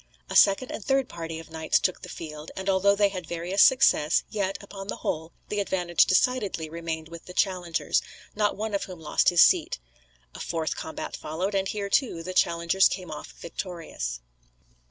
A second and third party of knights took the field, and although they had various success, yet, upon the whole, the advantage decidedly remained with the challengers, not one of whom lost his seat. A fourth combat followed; and here, too, the challengers came off victorious.